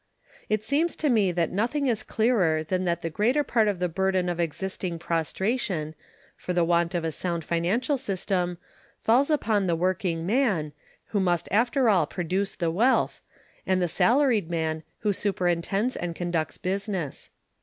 It seems to me that nothing is clearer than that the greater part of the burden of existing prostration, for the want of a sound financial system, falls upon the working man, who must after all produce the wealth, and the salaried man, who superintends and conducts business.